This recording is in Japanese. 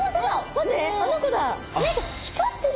待ってあの子だ！